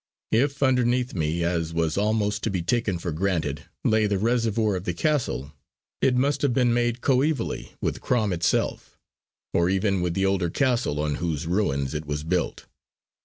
If underneath me, as was almost to be taken for granted, lay the reservoir of the castle, it must have been made coevally with Crom itself, or even with the older castle on whose ruins it was built.